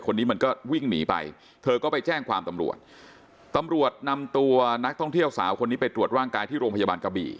มันก็วิ่งหนีไปเธอก็ไปแจ้งความตำรวจตำรวจนำตัวนักท่องเที่ยวสาวคนนี้ไปตรวจร่างกายที่โรงพยาบาลกะบี่